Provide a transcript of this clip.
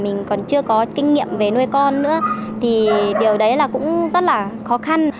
mình còn chưa có kinh nghiệm về nuôi con nữa thì điều đấy là cũng rất là khó khăn